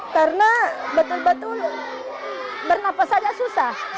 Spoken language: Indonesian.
karena betul betul bernafas saja susah